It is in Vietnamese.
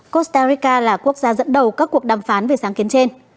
costa rica là quốc gia dẫn đầu các cuộc đàm phán về sáng kiến trên